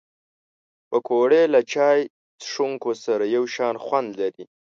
پکورې له چای څښونکو سره یو شان خوند لري